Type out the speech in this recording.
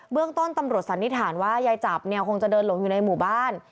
เรื่องต้นตำรวจสันนิษฐานว่ายายจับเนี่ยคงจะเดินหลงอยู่ในหมู่บ้าน